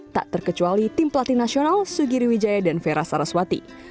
tak terkecuali tim pelatih nasional sugiri wijaya dan vera saraswati